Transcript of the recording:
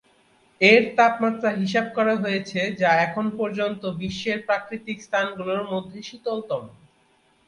এর তাপমাত্রা হিসেব করা হয়েছে যা এখন পর্যন্ত বিশ্বের প্রাকৃতিক স্থানগুলোর মধ্যে শীতলতম।